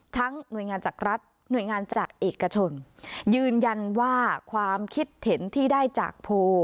หน่วยงานจากรัฐหน่วยงานจากเอกชนยืนยันว่าความคิดเห็นที่ได้จากโพล